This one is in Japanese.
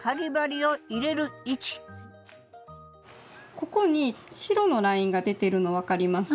ここに白のラインが出てるの分かりますか？